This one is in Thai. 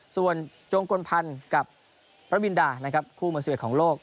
ส่วนจงกลพันธ์กับพระมินดานะครับคู่มือ๑๑ของโลก